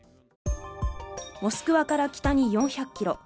モスクワから北に４００ｋｍ